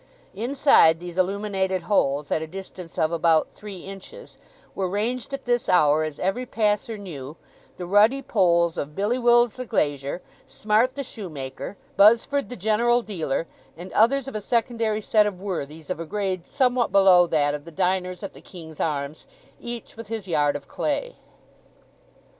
Inside these illuminated holes, at a distance of about three inches, were ranged at this hour, as every passer knew, the ruddy polls of Billy Wills the glazier, Smart the shoemaker, Buzzford the general dealer, and others of a secondary set of worthies, of a grade somewhat below that of the diners at the King's Arms, each with his yard of clay.